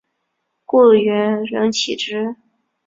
故园人岂知？